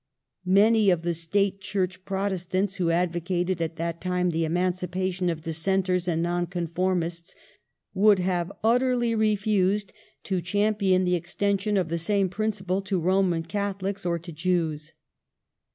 Many of the State Church Protestants who advocated, at that time, the emancipation of Dissenters and Nonconformists would have utterly refused to champion the extension of the same principle to Eoman Catholics or to Jews.